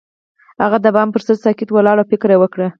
هغه د بام پر څنډه ساکت ولاړ او فکر وکړ.